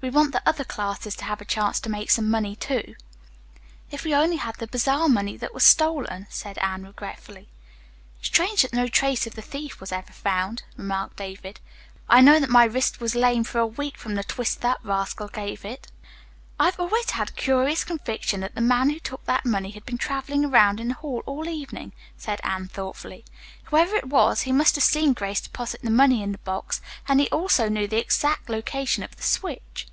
We want the other classes to have a chance to make some money, too." "If we only had the bazaar money that was stolen," said Anne regretfully. "Strange that no trace of the thief was ever found," remarked David. "I know that my wrist was lame for a week from the twist that rascal gave it." "I have always had a curious conviction that the man who took that money had been traveling around in the hall all evening," said Anne thoughtfully. "Whoever it was, he must have seen Grace deposit the money in the box, and he also knew the exact location of the switch."